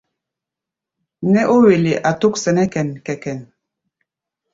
Nɛ́ ó wele a tók sɛnɛ kɛ́n-kɛ-kɛ́n.